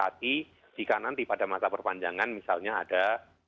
jadi jika nanti pada masa perpanjangan misalnya ada